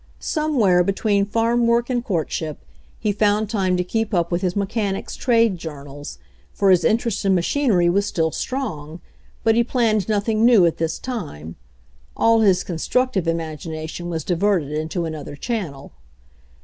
Somewhere, between farm work and court ship, he found time to keep up with his mechan ics' trade journals, for his interest in machinery was still strong, but he planned nothing new at this time. All his constructive imagination was diverted into another channel.